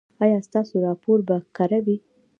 ایا ستاسو راپور به کره وي؟